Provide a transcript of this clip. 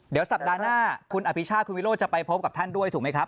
เดี๋ยวสัปดาห์หน้าคุณอภิชาคุณวิโรธจะไปพบกับท่านด้วยถูกไหมครับ